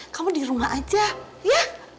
kamu di rumah aja ya